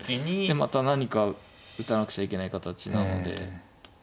でまた何か打たなくちゃいけない形なので。